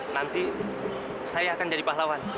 nanti saya akan jadi pahlawan